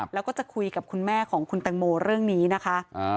แล้วก็จะคุยกับคุณแม่ของคุณแตงโมเรื่องนี้นะคะ